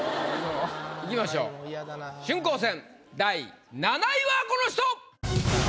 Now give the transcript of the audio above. いきましょう春光戦第７位はこの人！